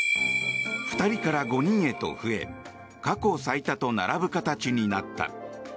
２人から５人へと増え過去最多に並ぶ形となった。